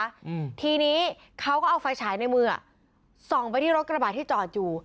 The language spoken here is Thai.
อืมทีนี้เขาก็เอาไฟฉายในมืออ่ะส่องไปที่รถกระบาดที่จอดอยู่